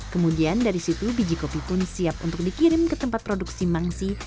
kemudian dari situ biji kopi pun siap untuk dikirim ke tempat produksi mangsi